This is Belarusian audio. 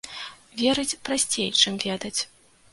Верыць прасцей, чым ведаць.